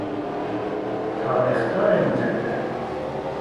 تا اخطار مجدد